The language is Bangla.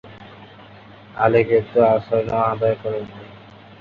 আলী কিন্তু আসরের নামাজ আদায় করেননি।